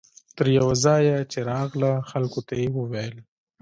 تر یوه ځایه چې راغله خلکو ته یې وویل.